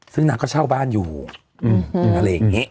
ซึ่งนางก็เช่าบ้านอยู่อะไรอย่างนี้